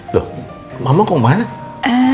loh mama kemana